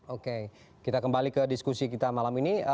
oke kita kembali ke diskusi kita malam ini